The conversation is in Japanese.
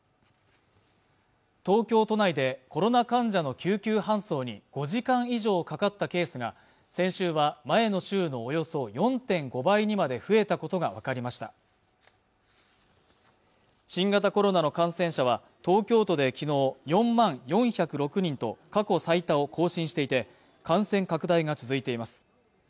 東京都内でコロナ患者の救急搬送に５時間以上かかったケースが先週は前の週のおよそ４．５倍にまで増えたことが分かりました新型コロナの感染者は東京都で昨日４万４０６人と過去最多を更新していて感染拡大が続いています